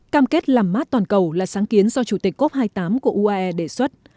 cam kết làm mát toàn cầu là sáng kiến do chủ tịch cop hai mươi tám của uae đề xuất